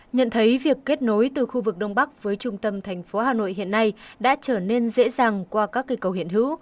nhận thấy việc kết nối từ khu vực đông bắc với trung tâm thành phố hà nội hiện nay đã trở nên dễ dàng qua các cây cầu hiện hữu